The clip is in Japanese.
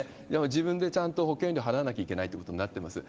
自分でちゃんと保険料を払わなきゃいけないということになっています。